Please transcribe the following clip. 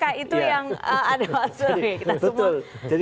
karena itu tadi paham kan sesuatu